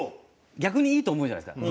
逆にいいと思うじゃないですか。